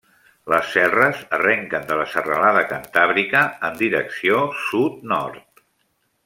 Les serres arrenquen de la serralada Cantàbrica en direcció sud-nord.